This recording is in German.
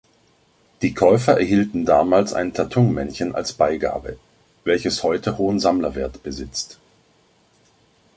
Die Käufer erhielten damals ein Tatung-Männchen als Beigabe, welches heute hohen Sammlerwert besitzt.